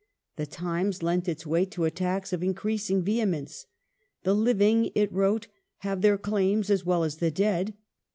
The Times lent its weight to attacks of increasing vehemence. "The living," it wrote, "have their claims as well as the dead."